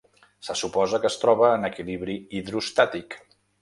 Se suposa que es troba en equilibri hidrostàtic.